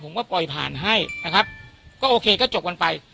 ว่าปล่อยผ่านให้นะครับก็โอเคก็จบกันไป